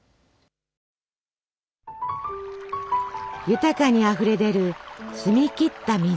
豊かにあふれ出る澄み切った水。